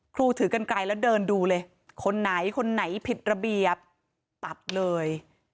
ถือกันไกลแล้วเดินดูเลยคนไหนคนไหนผิดระเบียบตัดเลย